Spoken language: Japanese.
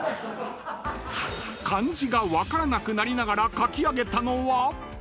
［漢字が分からなくなりながら書き上げたのは］